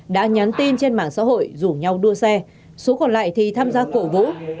đã nhắn tin trên mạng xã hội rủ nhau đua xe số còn lại thì tham gia cổ vũ